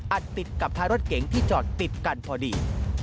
ติดกับท้ายรถเก๋งที่จอดติดกันพอดี